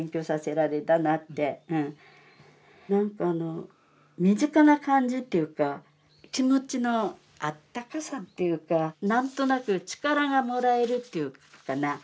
何かあの身近な感じっていうか気持ちのあったかさっていうか何となく力がもらえるっていうかな。